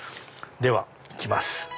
では行きます。